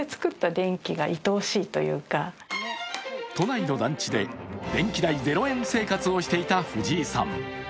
都内の団地で電気代ゼロ円生活をしていたフジイさん。